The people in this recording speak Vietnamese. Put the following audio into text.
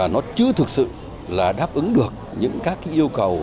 nó chưa thực sự là đáp ứng được những các yêu cầu